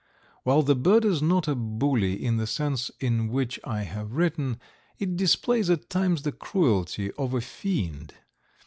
While the bird is not a bully in the sense in which I have written, it displays at times the cruelty of a fiend.